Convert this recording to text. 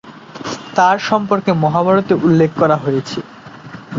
তার সর্ম্পকে মহাভারতে উল্লেখ করা হয়েছে।